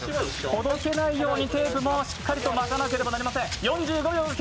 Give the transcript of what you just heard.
ほどけないようにテープもしっかりと巻かなければなりません。